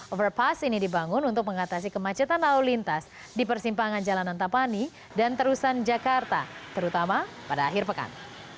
overpass ini dibangun untuk mengatasi kemacetan lalu lintas di persimpangan jalan antapani dan terusan jakarta terutama pada akhir pekan